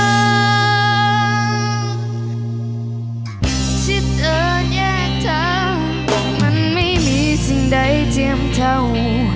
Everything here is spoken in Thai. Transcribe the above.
ที่เธอแยกทางมันไม่มีสิ่งใดเทียมเท่า